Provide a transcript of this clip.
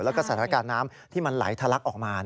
แล้วก็สถานการณ์น้ำที่มันไหลทะลักออกมา